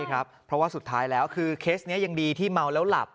เพราะว่าสุดท้ายแล้วคือเคสนี้ยังดีที่เมาแล้วหลับ